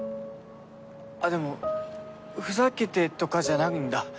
あっでもふざけてとかじゃないんだ。